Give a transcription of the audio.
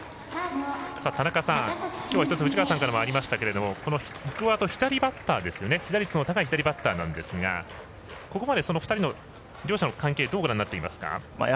田中さん、きょうは藤川さんからもありましたが被打率の高い左バッターなんですがここまで２人の両者の関係どうご覧になっていますか。